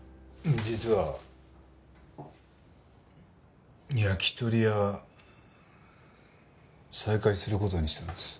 実は焼き鳥屋再開する事にしたんです。